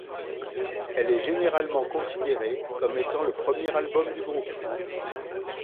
Elle est généralement considérée comme étant le premier album du groupe.